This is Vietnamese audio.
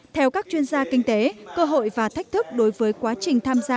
theo các chuyên gia kinh tế cơ hội và thách thức đối với quá trình tham gia